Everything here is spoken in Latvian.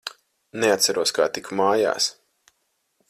Neatceros, kā tiku mājās.